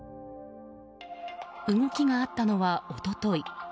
動きがあったのは一昨日。